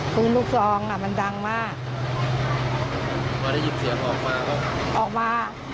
ปืนลูกซองอ่ะมันดังมากพอได้ยินเสียงออกมาก็ออกมา